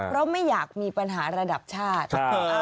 เพราะไม่อยากมีปัญหาระดับชาติ